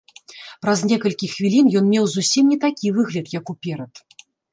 Праз некалькі хвілін ён меў зусім не такі выгляд, як уперад.